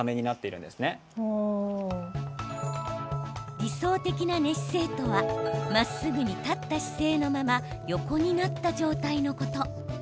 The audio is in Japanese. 理想的な寝姿勢とはまっすぐに立った姿勢のまま横になった状態のこと。